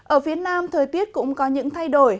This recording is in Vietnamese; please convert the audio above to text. ở phía nam thời tiết cũng có những thay đổi